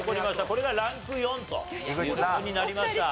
これがランク４という事になりました。